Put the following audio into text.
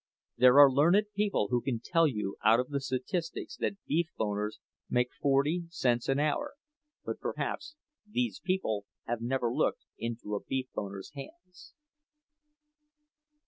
There are learned people who can tell you out of the statistics that beef boners make forty cents an hour, but, perhaps, these people have never looked into a beef boner's hands.